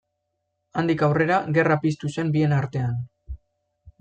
Handik aurrera gerra piztu zen bien artean.